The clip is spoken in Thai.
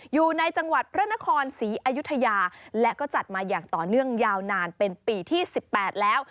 อยู่ในจังหวัดพระนครศรีอยุธยาและก็จัดมาอย่างต่อเนื่องยาวนานเป็นปีที่๑๘แล้ว